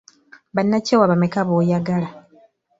Bannakyewa bameka b'oyagala?